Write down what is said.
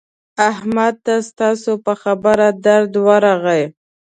احمد ته ستاسو په خبره درد ورغی.